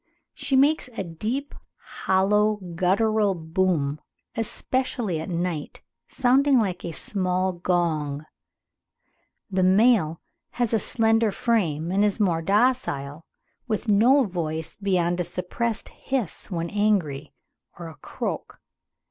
She makes a deep hollow guttural boom especially at night, sounding like a small gong. The male has a slenderer frame and is more docile, with no voice beyond a suppressed hiss when angry, or a croak."